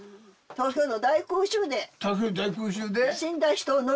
東京の大空襲で。